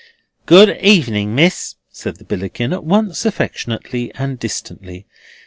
"Good evening, Miss," said the Billickin, at once affectionately and distantly.